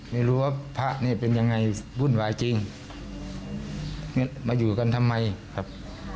ไม่รู้ว่าพระเนี่ยเป็นยังไงวุ่นวายจริงมาอยู่กันทำไมครับ